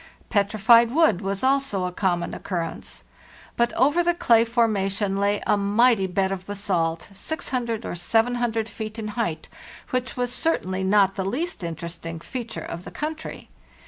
Petrified wood was also of common occurrence. But over the clay forma tion lay a mighty bed of basalt 600 or 7oo feet in height, which was certainly not the least interesting feat ure of the country.